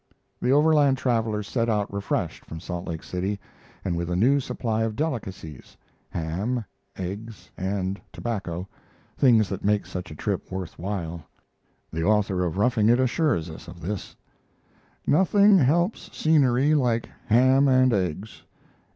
The Overland travelers set out refreshed from Salt Lake City, and with a new supply of delicacies ham, eggs, and tobacco things that make such a trip worth while. The author of 'Roughing It' assures us of this: Nothing helps scenery like ham and eggs.